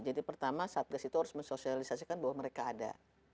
jadi pertama satgas itu harus mensosialisasikan bahwa mereka ada